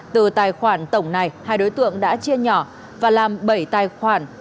từ tài khoản tổng này hai đối tượng đã chia nhỏ và làm bảy tài khoản